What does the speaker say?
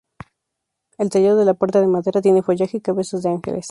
El tallado de la puerta de madera tiene follaje y cabezas de ángeles.